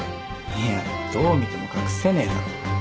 いやどう見ても隠せねえだろ。